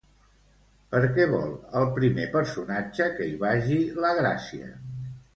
Per què vol el primer personatge que hi vagi la Gràcia?